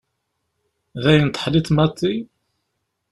D ayen teḥliḍ maḍi?